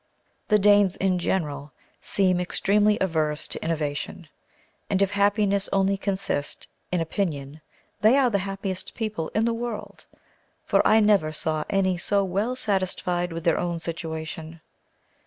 The Danes, in general, seem extremely averse to innovation, and if happiness only consist in opinion, they are the happiest people in the world; for I never saw any so well satisfied with their own situation.